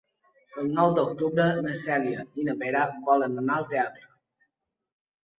El nou d'octubre na Cèlia i na Vera volen anar al teatre.